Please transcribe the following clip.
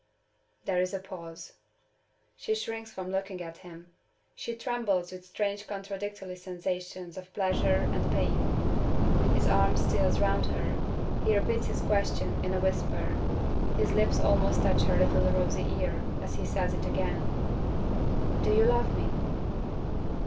There is a pause. She shrinks from looking at him she trembles with strange contradictory sensations of pleasure and pain. His arm steals round her; he repeats his question in a whisper; his lips almost touch her little rosy ear as he says it again: "Do you love me?"